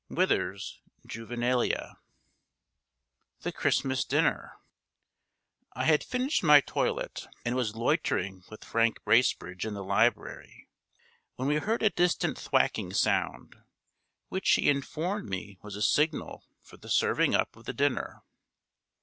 WITHERS'S Juvenilia. [Illustration: THE CHRISTMAS DINNER] I had finished my toilet, and was loitering with Frank Bracebridge in the library, when we heard a distant thwacking sound, which he informed me was a signal for the serving up of the dinner.